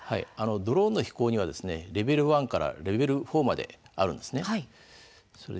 ドローンの飛行にはレベル１からレベル４まであるんです。